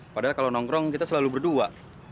padahal kalau nongkrong kita selalu berdua